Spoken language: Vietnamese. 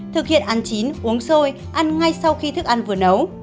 thực hiện ăn chín uống sôi ăn ngay sau khi thức ăn vừa nấu